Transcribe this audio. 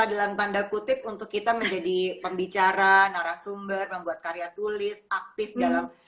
dan tanda kutip untuk kita menjadi pembicara narasumber membuat karya tulis aktif dalam